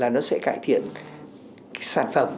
nó sẽ cải thiện sản phẩm